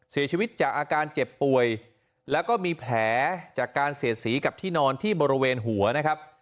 เสียชีวิตจากอาการเจ็บป่วยแล้วก็มีแผลจากการเสียดสีกับที่นอนที่บริเวณหัวนะครับ